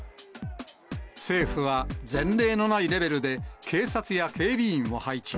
政府は前例のないレベルで、警察や警備員を配置。